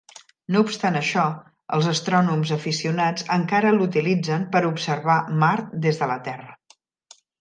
No obstant això, els astrònoms aficionats encara l'utilitzen per observar Mart des de la Terra.